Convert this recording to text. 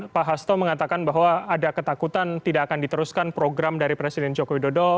pak hasto mengatakan bahwa ada ketakutan tidak akan diteruskan program dari presiden joko widodo